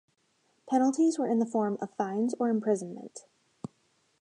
Penalties were in the form of fines or imprisonment.